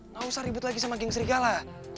gak usah ribet lagi sama geng serigala